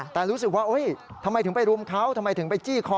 แต่รู้สึกว่าทำไมถึงไปรุมเขาทำไมถึงไปจี้คอ